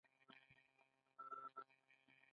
کله چې افغانستان کې ولسواکي وي تاریخي ځایونه ساتل کیږي.